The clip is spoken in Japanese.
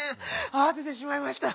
あわててしまいました。